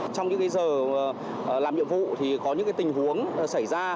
trong những giờ làm nhiệm vụ thì có những tình huống xảy ra